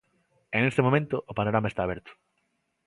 E neste momento o panorama está aberto.